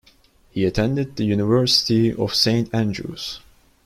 He attended the University of Saint Andrews.